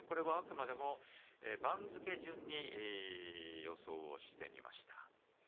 あくまでも番付順に予想してみました。